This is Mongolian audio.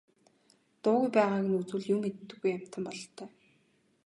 Дуугүй байгааг нь үзвэл юм мэддэггүй амьтан бололтой.